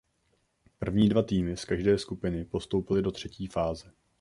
První dva týmy z každé skupiny postoupily do třetí fáze.